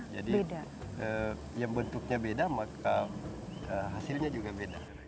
yang bentuknya beda maka hasilnya juga beda